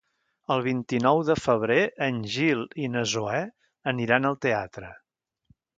El vint-i-nou de febrer en Gil i na Zoè aniran al teatre.